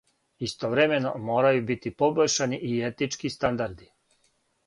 Истовремено, морају бити побољшани и етички стандарди.